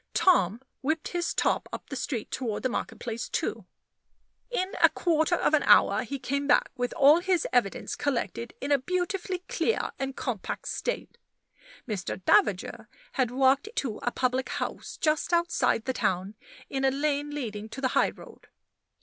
Tom whipped his top up the street toward the market place, too. In a quarter of an hour he came back, with all his evidence collected in a beautifully clear and compact state. Mr. Davager had walked to a public house just outside the town, in a lane leading to the highroad.